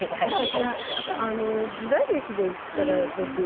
時代劇で言ったらですね